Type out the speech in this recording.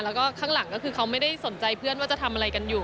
แล้วก็ข้างหลังก็คือเขาไม่ได้สนใจเพื่อนว่าจะทำอะไรกันอยู่